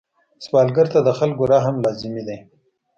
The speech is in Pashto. سوالګر ته د خلکو رحم لازمي دی